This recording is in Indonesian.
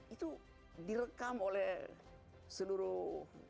itu direkam oleh seluruh